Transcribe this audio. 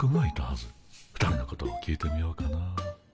２人のことを聞いてみようかな。